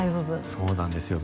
そうなんですよ。